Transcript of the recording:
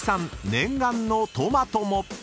念願のトマトも］